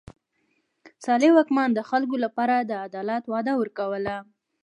صالح واکمن د خلکو لپاره د عدالت وعده ورکوله.